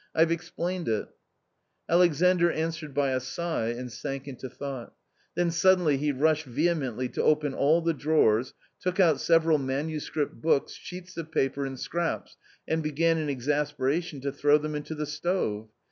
" Fve explained it !" Alexander answered by a sigh, and sank into thought Then suddenly he rushed vehemently to open all the drawers, took out several manuscript books, sheets of paper, and scraps, and began in exasperation to throw them into the stove.